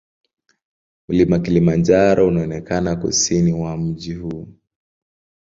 Mlima Kilimanjaro unaonekana kusini mwa mji huu.